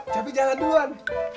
cepi jalan duluan